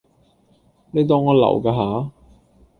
你當我流架吓